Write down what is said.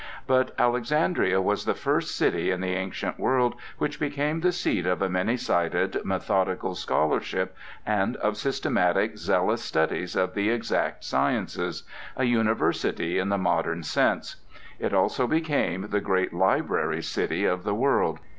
But Alexandria was the first city in the ancient world which became the seat of a many sided, methodical scholarship, and of systematic, zealous studies of the exact sciences,—a university in the modern sense. It also became the great library city of the world.